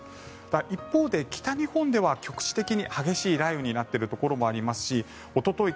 一方で北日本では局地的に激しい雷雨になっているところもありますしおととい